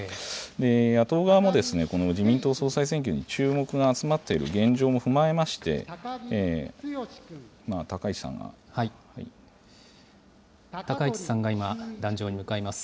野党側も、この自民党総裁選挙に注目が集まっている現状も踏まえまして、今、高市さんが今、壇上に向かいます。